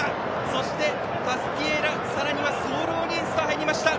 そして、タスティエーラさらにはソールオリエンスと入りました。